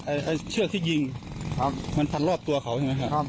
อ๋อไอ้เชือกที่ยิงมันพันธุ์รอบตัวเขาใช่ไหมครับ